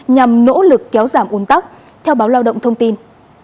nhằm nỗ lực kéo giảm un tắc theo báo lao động thông tin